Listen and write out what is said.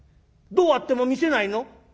どうあっても見せないの？